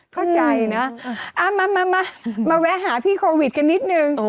เข้าใจนะมาแวะหาพี่โควิดกันนิดนึง